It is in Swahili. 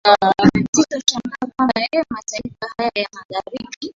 sitashangaa kwamba eeh mataifa haya ya magharibi